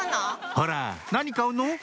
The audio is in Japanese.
ほら何買うの？